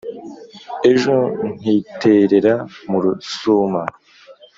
ejo ntiterera mu rusuma